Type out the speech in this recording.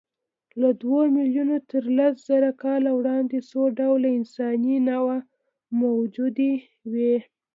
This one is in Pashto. له دوو میلیونو تر لسزره کاله وړاندې څو ډوله انساني نوعې موجودې وې.